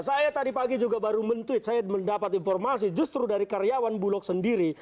saya tadi pagi juga baru men tweet saya mendapat informasi justru dari karyawan bulog sendiri